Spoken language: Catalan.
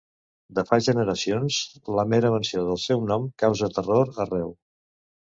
De fa generacions, la mera menció del seu nom causa terror arreu.